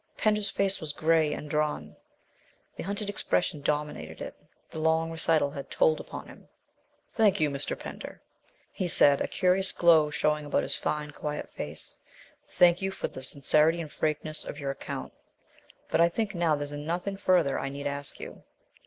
Pender's face was grey and drawn; the hunted expression dominated it; the long recital had told upon him. "Thank you, Mr. Pender," he said, a curious glow showing about his fine, quiet face, "thank you for the sincerity and frankness of your account. But I think now there is nothing further I need ask you."